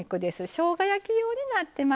しょうが焼き用になってます。